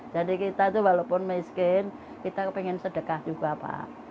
jadi kita itu walaupun miskin kita ingin sedekah juga pak